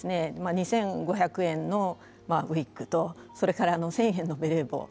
２５００円のウイッグとそれから１０００円のベレー帽